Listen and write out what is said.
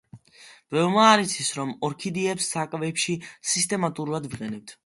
ბევრმა არ იცის, რომ ორქიდეებს საკვებში სისტემატურად ვიყენებთ.